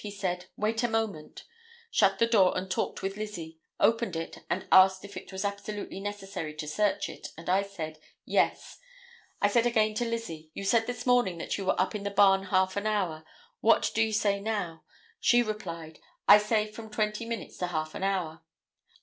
He said, 'Wait a a moment,' shut the door and talked with Lizzie, opened it and asked if it was absolutely necessary to search it, and I said, 'Yes;' I said again to Lizzie, 'You said this morning that you were up in the barn half an hour; what do you say now?' She replied, 'I say from twenty minutes to half an hour.